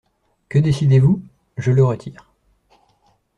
Que décidez-vous ? Je le retire.